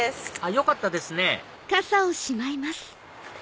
よかったですねおっ。